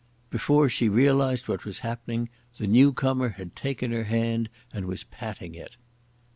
Before she realised what was happening the new comer had taken her hand and was patting it.